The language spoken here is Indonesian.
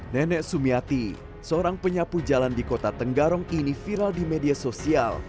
nenek sumiati seorang penyapu jalan di kota tenggarong ini viral di media sosial